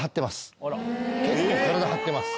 結構体張ってます